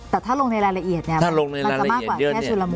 แต่ถ้าลงในรายละเอียดเนี่ยมันจะมากกว่าแค่ชุดละมุ